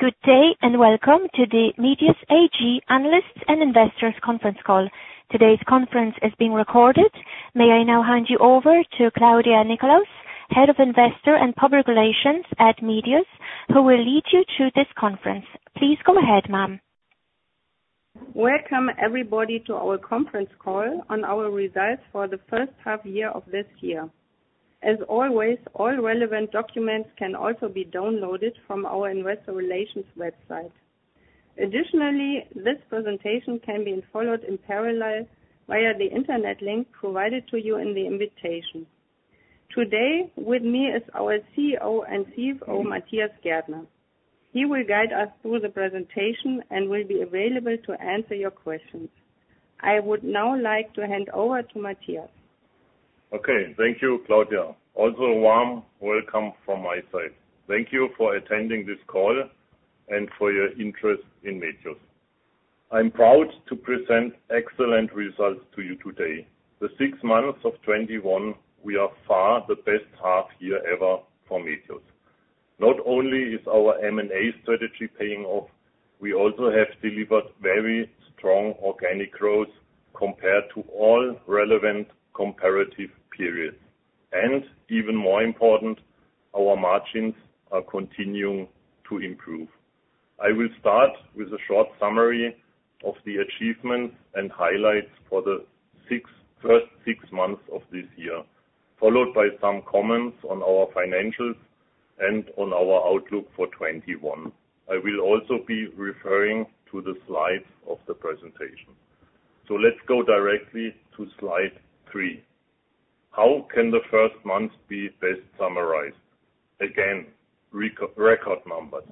Good day and welcome to the Medios AG analysts and investors conference call. Today's conference is being recorded. May I now hand you over to Claudia Nickolaus, Head of Investor & Public Relations at Medios, who will lead you through this conference. Please go ahead, ma'am. Welcome everybody to our conference call on our results for the first half year of this year. As always, all relevant documents can also be downloaded from our investor relations website. Additionally, this presentation can be followed in parallel via the internet link provided to you in the invitation. Today with me is our CEO and CFO, Matthias Gärtner. He will guide us through the presentation and will be available to answer your questions. I would now like to hand over to Matthias. Thank you, Claudia. Warm welcome from my side. Thank you for attending this call and for your interest in Medios. I'm proud to present excellent results to you today. The six months of 2021 were by far the best half year ever for Medios. Not only is our M&A strategy paying off, we also have delivered very strong organic growth compared to all relevant comparative periods. Even more important, our margins are continuing to improve. I will start with a short summary of the achievements and highlights for the first six months of this year, followed by some comments on our financials and on our outlook for 2021. I will also be referring to the slides of the presentation. Let's go directly to slide three. How can the first months be best summarized? Again, record numbers.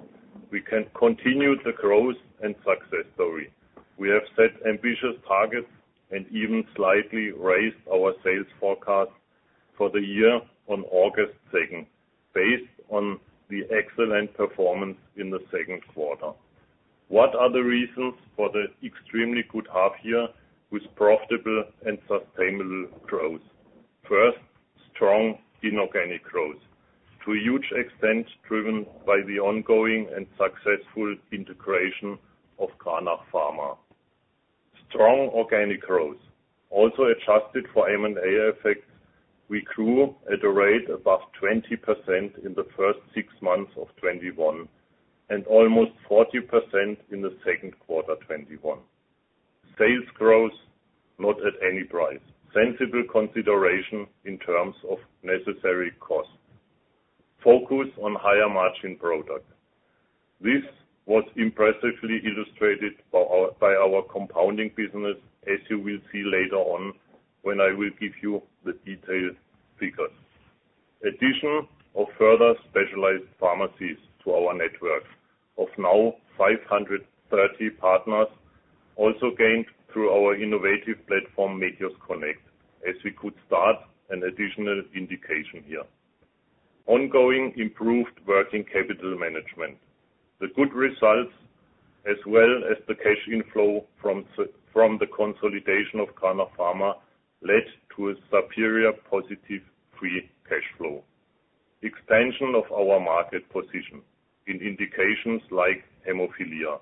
We can continue the growth and success story. We have set ambitious targets and even slightly raised our sales forecast for the year on August 2nd, based on the excellent performance in the second quarter. What are the reasons for the extremely good half year with profitable and sustainable growth? First, strong inorganic growth, to a huge extent driven by the ongoing and successful integration of Cranach Pharma. Strong organic growth, also adjusted for M&A effects. We grew at a rate above 20% in the first six months of 2021, and almost 40% in the second quarter 2021. Sales growth, not at any price. Sensible consideration in terms of necessary costs. Focus on higher-margin product. This was impressively illustrated by our compounding business, as you will see later on when I will give you the detailed figures. Addition of further specialized pharmacies to our network of now 530 partners, also gained through our innovative platform, mediosconnect, as we could start an additional indication here. Ongoing improved working capital management. The good results, as well as the cash inflow from the consolidation of Cranach Pharma led to a superior positive free cash flow. Extension of our market position in indications like hemophilia.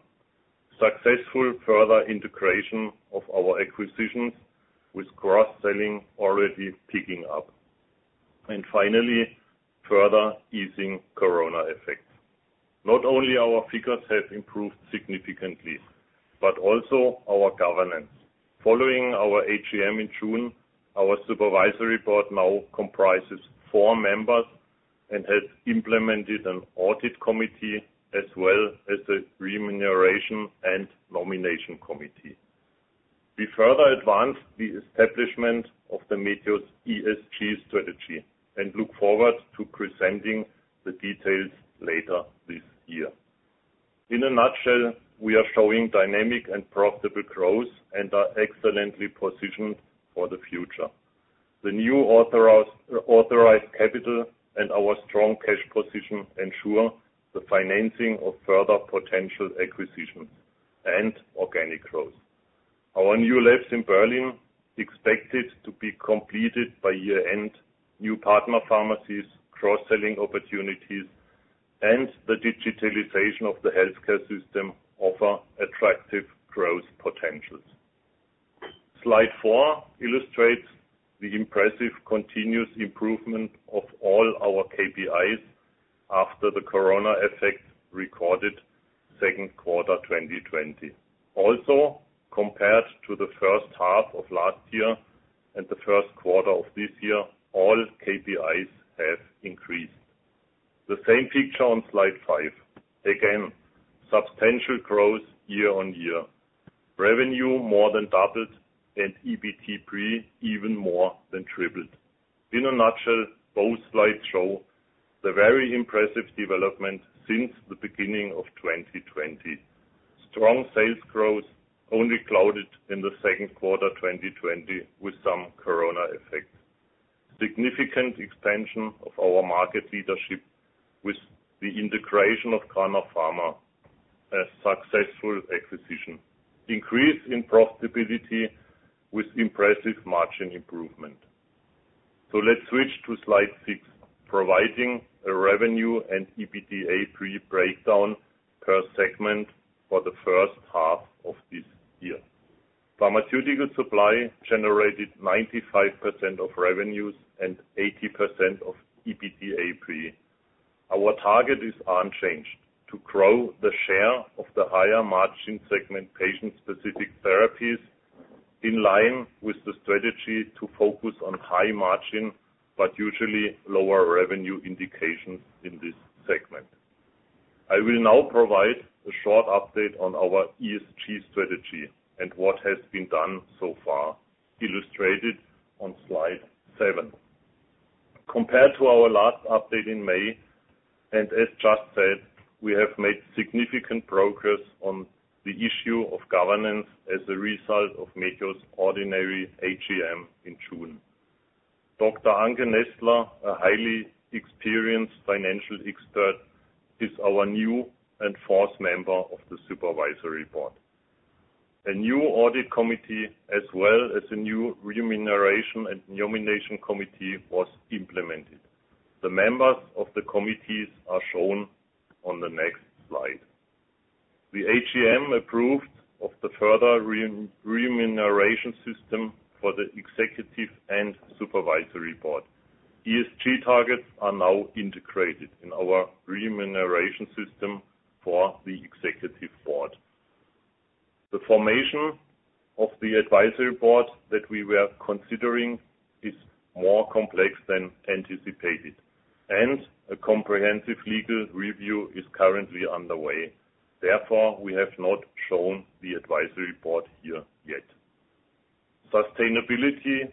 Successful further integration of our acquisitions with cross-selling already picking up. Finally, further easing corona effects. Not only our figures have improved significantly, but also our governance. Following our AGM in June, our Supervisory Board now comprises four members and has implemented an audit committee as well as a remuneration and nomination committee. We further advanced the establishment of the Medios ESG strategy and look forward to presenting the details later this year. In a nutshell, we are showing dynamic and profitable growth and are excellently positioned for the future. The new authorized capital and our strong cash position ensure the financing of further potential acquisitions and organic growth. Our new labs in Berlin expected to be completed by year-end. New partner pharmacies, cross-selling opportunities, and the digitalization of the healthcare system offer attractive growth potentials. Slide four illustrates the impressive continuous improvement of all our KPIs after the corona effects recorded second quarter 2020. Also, compared to the first half of last year and the first quarter of this year, all KPIs have increased. The same picture on slide five. Again, substantial growth year-on-year. Revenue more than doubled and EBT pre even more than tripled. In a nutshell, both slides show the very impressive development since the beginning of 2020. Strong sales growth only clouded in the second quarter 2020 with some corona effects. Significant expansion of our market leadership with the integration of Cranach Pharma, a successful acquisition. Increase in profitability with impressive margin improvement. Let's switch to slide six, providing a revenue and EBITDA pre breakdown per segment for the first half of this year. Pharmaceutical Supply generated 95% of revenues and 80% of EBITDA pre. Our target is unchanged, to grow the share of the higher margin segment, patient-specific therapies, in line with the strategy to focus on high margin, but usually lower revenue indications in this segment. I will now provide a short update on our ESG strategy and what has been done so far, illustrated on slide seven. Compared to our last update in May, and as just said, we have made significant progress on the issue of governance as a result of Medios ordinary AGM in June. Dr. Anke Nestler, a highly experienced financial expert, is our new and fourth member of the supervisory board. A new audit committee, as well as a new remuneration and nomination committee, was implemented. The members of the committees are shown on the next slide. The AGM approved of the further remuneration system for the executive and supervisory board. ESG targets are now integrated in our remuneration system for the executive board. The formation of the advisory board that we were considering is more complex than anticipated, and a comprehensive legal review is currently underway. Therefore, we have not shown the advisory board here yet. Sustainability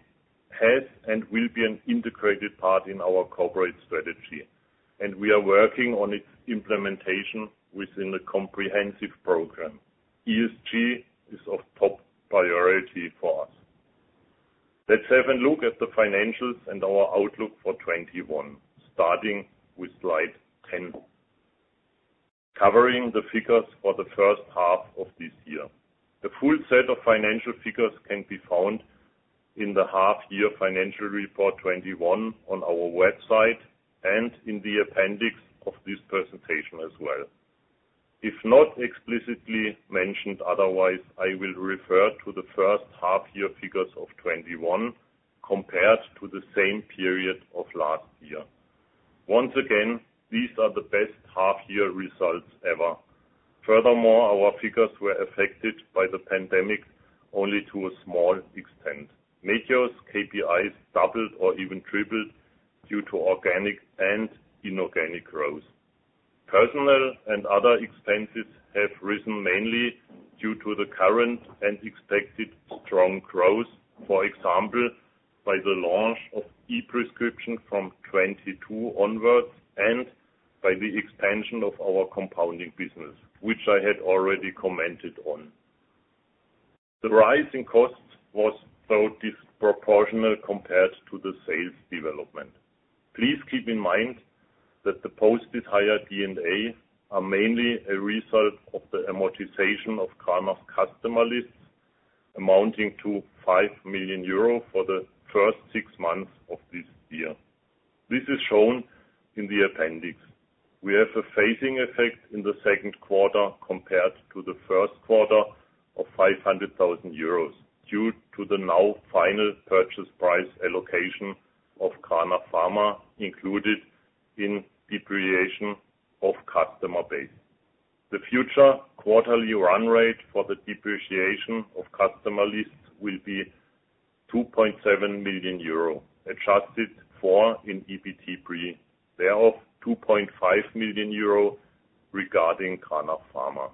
has and will be an integrated part in our corporate strategy, and we are working on its implementation within a comprehensive program. ESG is of top priority for us. Let's have a look at the financials and our outlook for 2021, starting with slide 10. Covering the figures for the first half-year of this year. The full set of financial figures can be found in the half-year financial report 2021 on our website and in the appendix of this presentation as well. If not explicitly mentioned otherwise, I will refer to the first half-year figures of 2021 compared to the same period of last year. Once again, these are the best half-year results ever. Furthermore, our figures were affected by the pandemic only to a small extent. Medios KPIs doubled or even tripled due to organic and inorganic growth. Personnel and other expenses have risen mainly due to the current and expected strong growth. For example, by the launch of e-prescription from 2022 onwards and by the expansion of our compounding business, which I had already commented on. The rise in costs was disproportional compared to the sales development. Please keep in mind that the posted higher D&A are mainly a result of the amortization of Cranach's customer lists amounting to 5 million euro for the first six months of this year. This is shown in the appendix. We have a phasing effect in the second quarter compared to the first quarter of 500,000 euros due to the now final purchase price allocation of Cranach Pharma included in depreciation of customer base. The future quarterly run rate for the depreciation of customer lists will be 2.7 million euro, adjusted for in EBITDA pre, thereof 2.5 million euro regarding Cranach Pharma.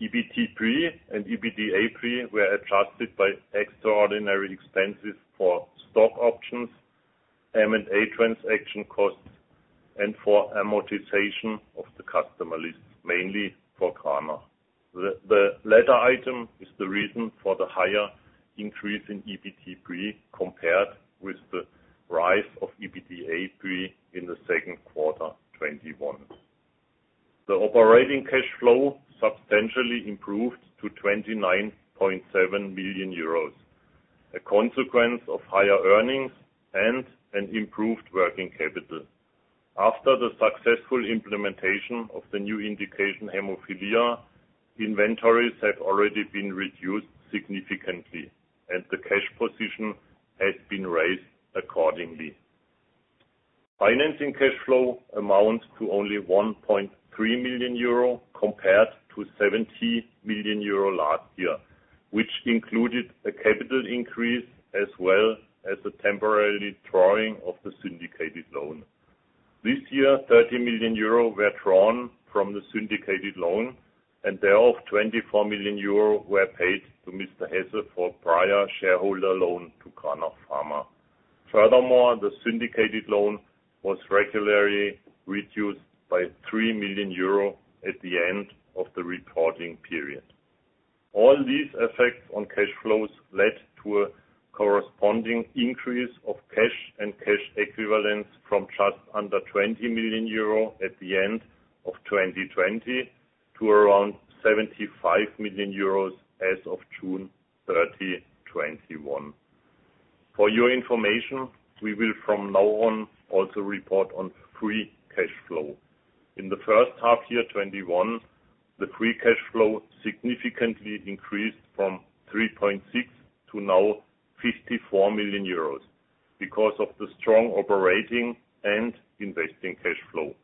EBT pre and EBITDA pre were adjusted by extraordinary expenses for stock options, M&A transaction costs, and for amortization of the customer lists, mainly for Cranach. The latter item is the reason for the higher increase in EBT pre compared with the rise of EBITDA pre in the second quarter 2021. The operating cash flow substantially improved to 29.7 million euros, a consequence of higher earnings and an improved working capital. After the successful implementation of the new indication hemophilia, inventories have already been reduced significantly, and the cash position has been raised accordingly. Financing cash flow amounts to only 1.3 million euro compared to 70 million euro last year, which included a capital increase as well as a temporarily drawing of the syndicated loan. This year, 30 million euro were drawn from the syndicated loan, and thereof, 24 million euro were paid to Mr. Hesse for prior shareholder loan to Cranach Pharma. Furthermore, the syndicated loan was regularly reduced by 3 million euros at the end of the reporting period. All these effects on cash flows led to a corresponding increase of cash and cash equivalents from just under 20 million euro at the end of 2020 to around 75 million euros as of June 30, 2021. For your information, we will from now on, also report on free cash flow. In the first half year 2021, the free cash flow significantly increased from 3.6 million to now 54 million euros because of the strong operating and investing cash flow,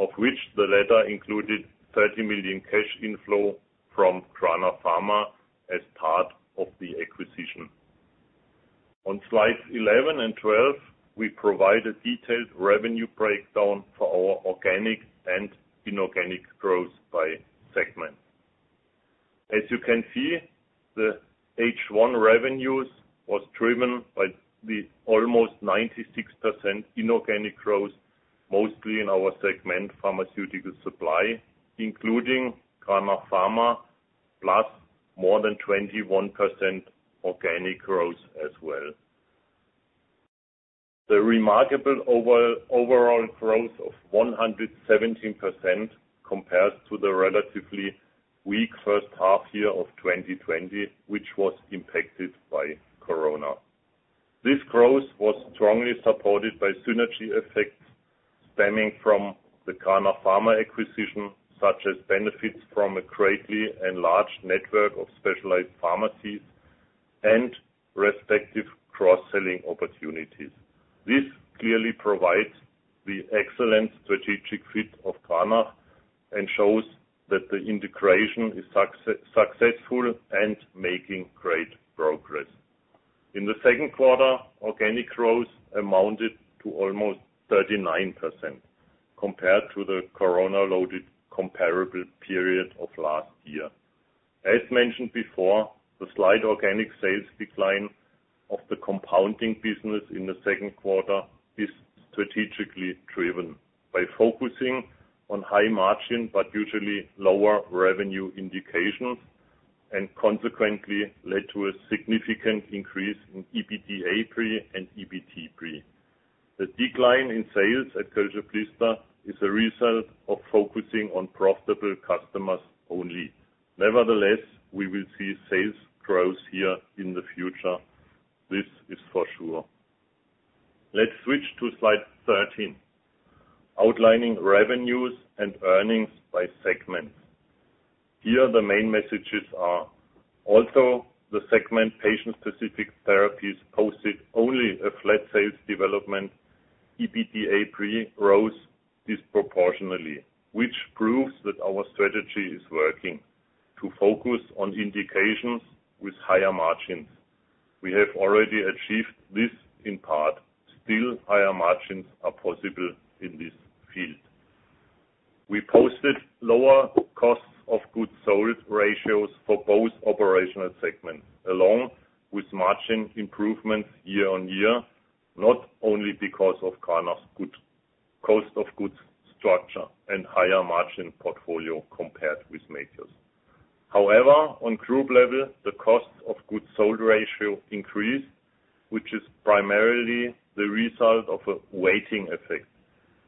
of which the latter included 30 million cash inflow from Cranach Pharma as part of the acquisition. On slides 11 and 12, we provide a detailed revenue breakdown for our organic and inorganic growth by segment. As you can see, the H1 revenues was driven by the almost 96% inorganic growth, mostly in our segment Pharmaceutical Supply, including Cranach Pharma, plus more than 21% organic growth as well. The remarkable overall growth of 117% compares to the relatively weak first half year of 2020, which was impacted by Corona. This growth was strongly supported by synergy effects stemming from the Cranach Pharma acquisition, such as benefits from a greatly enlarged network of specialized pharmacies and respective cross-selling opportunities. This clearly provides the excellent strategic fit of Cranach and shows that the integration is successful and making great progress. In the second quarter, organic growth amounted to almost 39% compared to the Corona-loaded comparable period of last year. As mentioned before, the slight organic sales decline of the compounding business in the second quarter is strategically driven by focusing on high margin, but usually lower revenue indications, and consequently led to a significant increase in EBITDA pre and EBT pre. The decline in sales at Kölsche Blister is a result of focusing on profitable customers only. Nevertheless, we will see sales growth here in the future. This is for sure. Let's switch to slide 13, outlining revenues and earnings by segment. Here the main messages are also the segment patient-specific therapies posted only a flat sales development. EBITDA pre grows disproportionately, which proves that our strategy is working to focus on indications with higher margins. We have already achieved this in part. Still, higher margins are possible in this field. We posted lower costs of goods sold ratios for both operational segments, along with margin improvements year-on-year. Not only because of Cranach's cost of goods structure and higher margin portfolio compared with Medios. However, on group level, the cost of goods sold ratio increased, which is primarily the result of a weighting effect.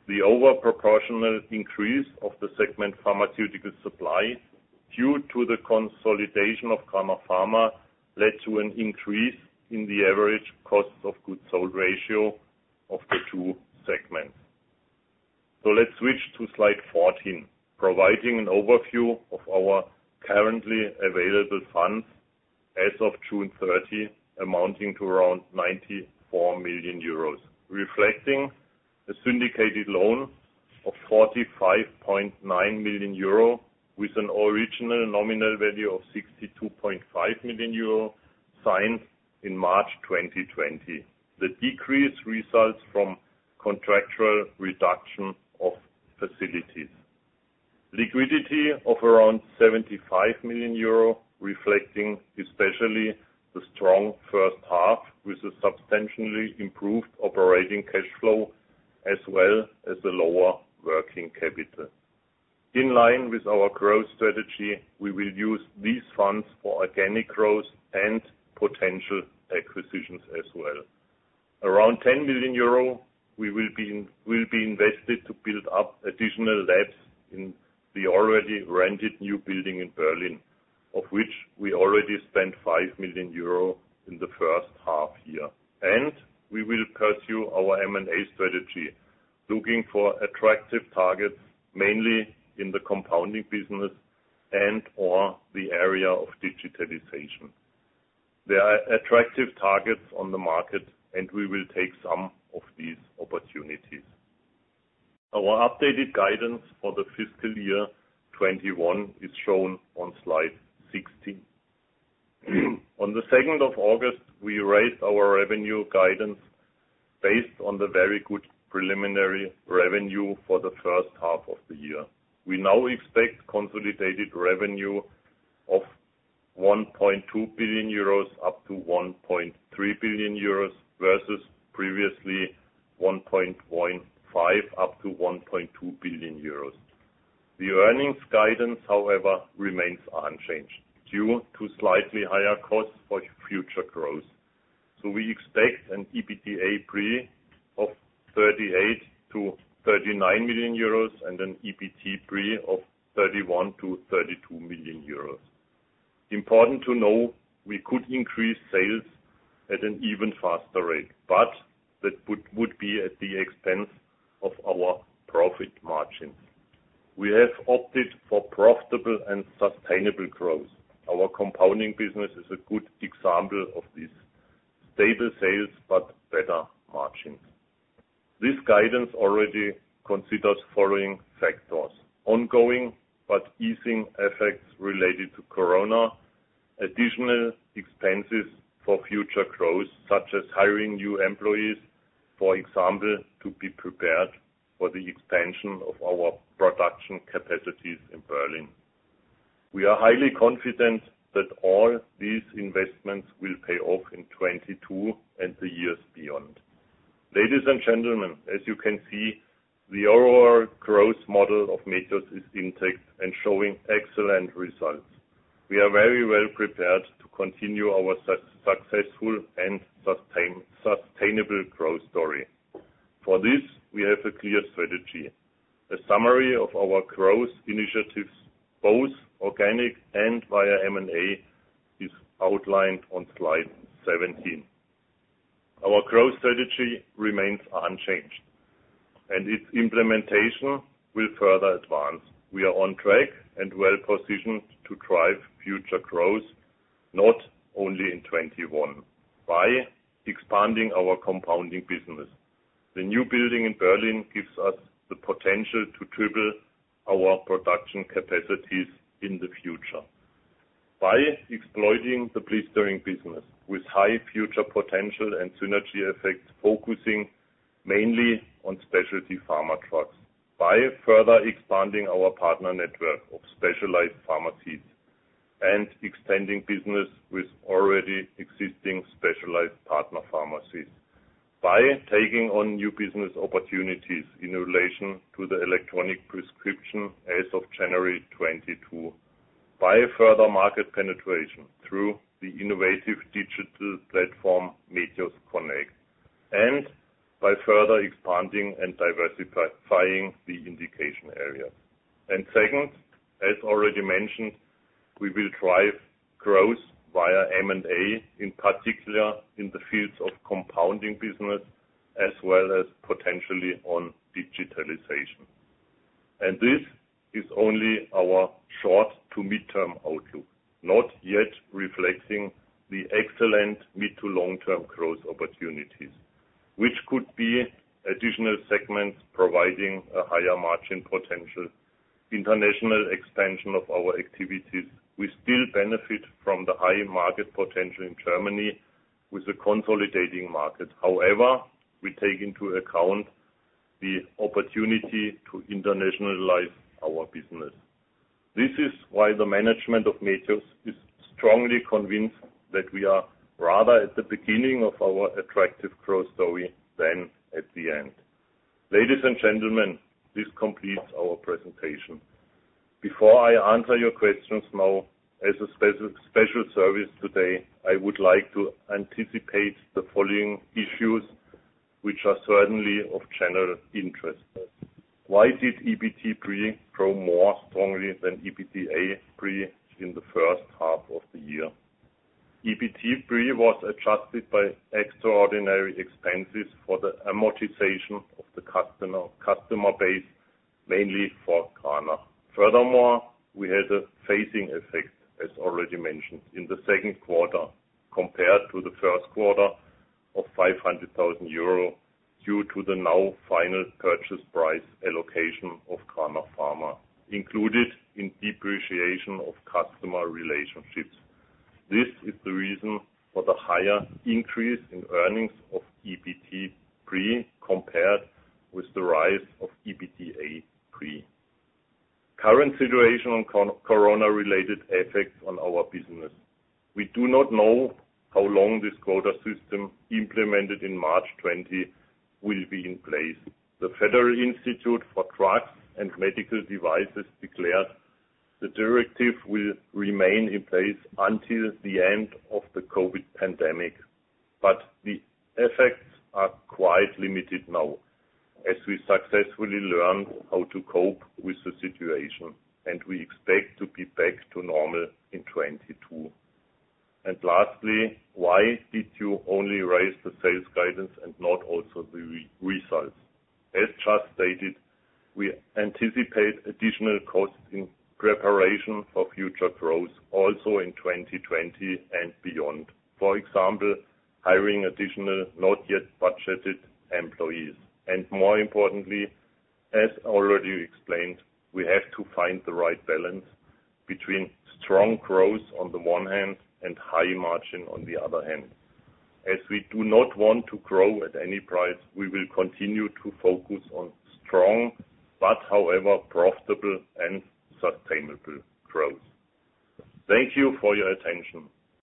The over proportional increase of the segment Pharmaceutical Supply due to the consolidation of Cranach Pharma led to an increase in the average cost of goods sold ratio of the two segments. Let's switch to slide 14, providing an overview of our currently available funds as of June 30, amounting to around 94 million euros, reflecting a syndicated loan of 45.9 million euro, with an original nominal value of 62.5 million euro, signed in March 2020. The decrease results from contractual reduction of facilities. Liquidity of around 75 million euro, reflecting especially the strong first half with a substantially improved operating cash flow, as well as the lower working capital. In line with our growth strategy, we will use these funds for organic growth and potential acquisitions as well. Around 10 million euro will be invested to build up additional labs in the already rented new building in Berlin, of which we already spent 5 million euro in the first half year. We will pursue our M&A strategy, looking for attractive targets, mainly in the compounding business and/or the area of digitalization. There are attractive targets on the market, and we will take some of these opportunities. Our updated guidance for the fiscal year 2021 is shown on slide 16. On the August 2nd, we raised our revenue guidance based on the very good preliminary revenue for the first half of the year. We now expect consolidated revenue of 1.2 billion-1.3 billion euros, versus previously 1.15 billion-1.2 billion euros. The earnings guidance, however, remains unchanged due to slightly higher costs for future growth. We expect an EBITDA pre of 38 million-39 million euros and an EBT pre of 31 million-32 million euros. Important to know, we could increase sales at an even faster rate, that would be at the expense of our profit margins. We have opted for profitable and sustainable growth. Our compounding business is a good example of this. Stable sales, better margins. This guidance already considers the following factors: ongoing but easing effects related to Corona, additional expenses for future growth, such as hiring new employees, for example, to be prepared for the expansion of our production capacities in Berlin. We are highly confident that all these investments will pay off in 2022 and the years beyond. Ladies and gentlemen, as you can see, the overall growth model of Medios is intact and showing excellent results. We are very well prepared to continue our successful and sustainable growth story. For this, we have a clear strategy. A summary of our growth initiatives, both organic and via M&A, is outlined on slide 17. Our growth strategy remains unchanged, and its implementation will further advance. We are on track and well-positioned to drive future growth, not only in 2021. By expanding our compounding business. The new building in Berlin gives us the potential to triple our production capacities in the future. By exploiting the blistering business with high future potential and synergy effects, focusing mainly on specialty pharma drugs. By further expanding our partner network of specialized pharmacies and extending business with already existing specialized partner pharmacies. By taking on new business opportunities in relation to the e-prescription as of January 2022. By further market penetration through the innovative digital platform mediosconnect, by further expanding and diversifying the indication area. Second, as already mentioned, we will drive growth via M&A, in particular in the fields of compounding business as well as potentially on digitalization. This is only our short to midterm outlook, not yet reflecting the excellent mid to long-term growth opportunities, which could be additional segments providing a higher margin potential, international expansion of our activities. We still benefit from the high market potential in Germany with a consolidating market. However, we take into account the opportunity to internationalize our business. This is why the management of Medios is strongly convinced that we are rather at the beginning of our attractive growth story than at the end. Ladies and gentlemen, this completes our presentation. Before I answer your questions now, as a special service today, I would like to anticipate the following issues, which are certainly of general interest. Why did EBITDA pre grow more strongly than EBITDA pre in the first half of the year? EBITDA pre was adjusted by extraordinary expenses for the amortization of the customer base, mainly for Cranach. We had a phasing effect, as already mentioned, in the second quarter compared to the first quarter of 500,000 euro due to the now final purchase price allocation of Cranach Pharma included in depreciation of customer relationships. This is the reason for the higher increase in earnings of EBITDA pre compared with the rise of EBITDA pre. Current situation on Corona-related effects on our business. We do not know how long this quota system implemented in March 2020 will be in place. The Federal Institute for Drugs and Medical Devices declared the directive will remain in place until the end of the COVID pandemic. The effects are quite limited now as we successfully learn how to cope with the situation, and we expect to be back to normal in 2022. Lastly, why did you only raise the sales guidance and not also the results? As just stated, we anticipate additional costs in preparation for future growth also in 2020 and beyond. For example, hiring additional, not yet budgeted employees. More importantly, as already explained, we have to find the right balance between strong growth on the one hand and high margin on the other hand. We do not want to grow at any price, we will continue to focus on strong, but however, profitable and sustainable growth. Thank you for your attention.